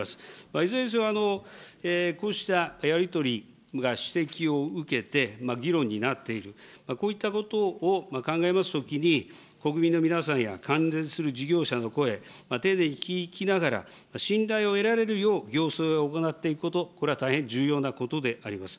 いずれにせよ、こうしたやり取りが指摘を受けて議論になっている、こういったことを考えますときに、国民の皆さんや関連する事業者の声、丁寧に聞きながら、信頼を得られるよう行政を行っていくこと、これは大変重要なことであります。